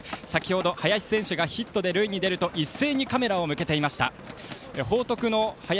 先ほど、林選手がヒットで塁に出ると一斉にカメラを向けていました。